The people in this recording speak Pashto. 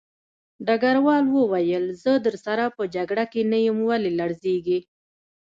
ډګروال وویل زه درسره په جګړه کې نه یم ولې لړزېږې